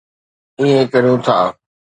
ائين ڪريون ٿا